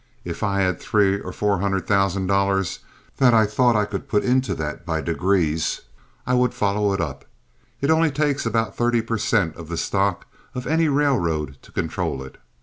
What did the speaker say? If I had three or four hundred thousand dollars that I thought I could put into that by degrees I would follow it up. It only takes about thirty per cent. of the stock of any railroad to control it.